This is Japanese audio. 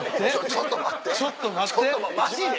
ちょっと待ってマジで？